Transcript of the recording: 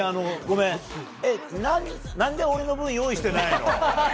何で俺の分用意してないの？